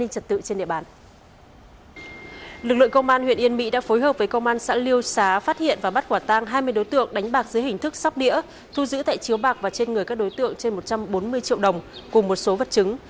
cơ quan công an xã liêu xá phát hiện và bắt quả tang hai mươi đối tượng đánh bạc dưới hình thức sắp đĩa thu giữ tại chiếu bạc và trên người các đối tượng trên một trăm bốn mươi triệu đồng cùng một số vật chứng